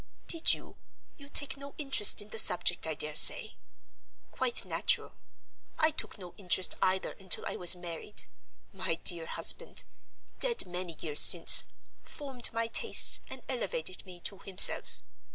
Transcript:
"Did you? You take no interest in the subject, I dare say? Quite natural. I took no interest either until I was married. My dear husband—dead many years since—formed my tastes and elevated me to himself.